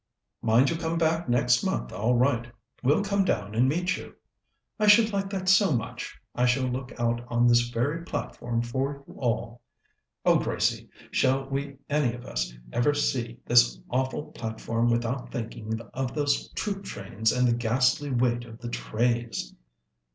"Mind you come back next month all right. We'll come down and meet you." "I should like that so much. I shall look out on this very platform for you all." "Oh, Gracie! shall we any of us ever see this awful platform without thinking of those troop trains and the ghastly weight of the trays?"